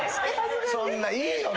そんないいよな。